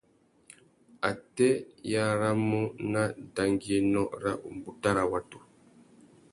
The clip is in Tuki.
Atê i aramú nà dangüiénô râ umbuta râ watu?